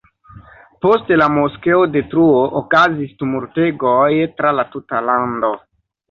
Post la moskeo-detruo okazis tumultegoj tra la tuta lando.